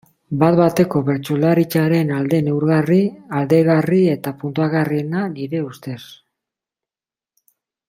Bat-bateko bertsolaritzaren alde neurgarri, alderagarri eta puntuagarriena, nire ustez.